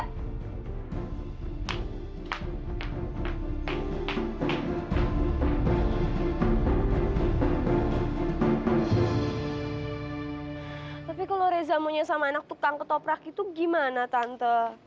tapi kalau reza maunya sama anak tukang ketoprak itu gimana tante